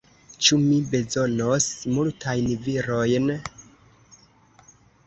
Ĉu mi bezonos multajn virojn?